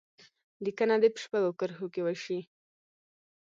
لیکنه دې په شپږو کرښو کې وشي.